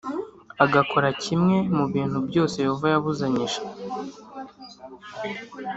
Agakora kimwe mu bintu byose yehova yabuzanyije